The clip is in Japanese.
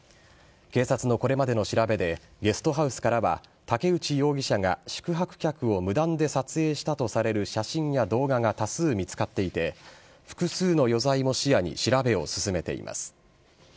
警察のこれまでの調べでゲストハウスからは武内容疑者が宿泊客を無断で撮影したとされる写真や動画が多数見つかっていて複数の余罪も視野に調べを進めています。